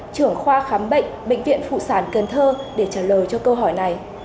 trưởng khoa khám bệnh bệnh viện phụ sản cần thơ để trả lời cho câu hỏi này